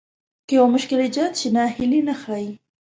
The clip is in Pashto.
که يو مشکل ايجاد شي ناهيلي نه ښايي.